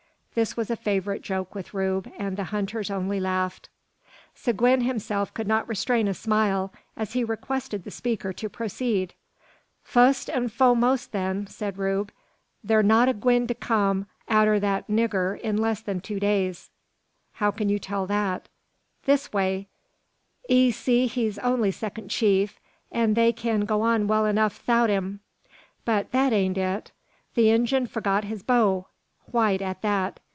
This was a favourite joke with Rube, and the hunters only laughed. Seguin himself could not restrain a smile, as he requested the speaker to proceed. "Fust an' fo'most, then," said Rube, "thur not a gwine to come arter that nigger in less than two days." "How can you tell that?" "This way: 'Ee see he's only second chief, an' they kin go on well enough 'ithout him. But that ain't it. The Injun forgot his bow; white at that.